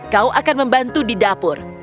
kau akan membantu di dapur